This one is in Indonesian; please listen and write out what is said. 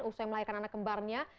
usai melahirkan anak kembarnya